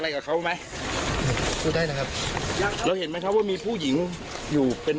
ก็หัวเขาไม่เห็น